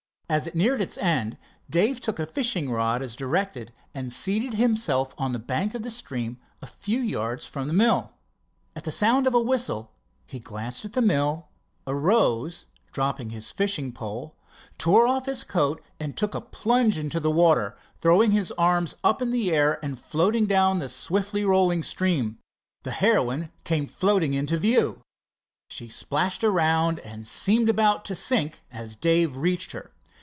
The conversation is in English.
As it neared its end, Dave took a fishing rod, as directed, and seated himself on the bank of the stream a few yards from the mill. At the sound of a whistle he glanced at the mill, arose, dropped his fishing pole, tore off his coat, and took a plunge into the water, throwing his arms up in the air and floating down the swiftly rolling stream. The heroine came floating into view. She splashed around and seemed about to sink as Dave reached her.